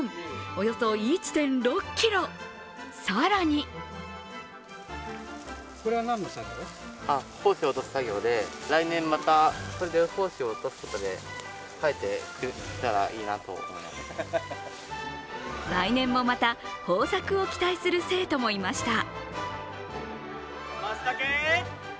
およそ１．６ｋｇ、更に来年もまた豊作を期待する生徒もいました。